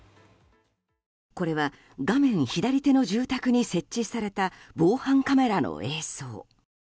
これは、画面左手の住宅に設置された防犯カメラの映像。